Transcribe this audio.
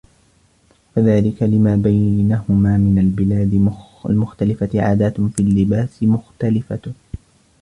وَكَذَلِكَ لِمَا بَيْنَهُمَا مِنْ الْبِلَادِ الْمُخْتَلِفَةِ عَادَاتٌ فِي اللِّبَاسِ مُخْتَلِفَةٌ